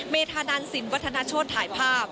เมธานันสินวัฒนาโชธถ่ายภาพ